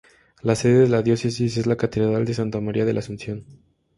La sede de la Diócesis es la Catedral de Santa María de la Asunción.